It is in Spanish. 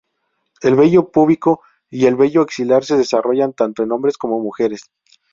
El vello púbico y el vello axilar se desarrolla tanto en hombres como mujeres.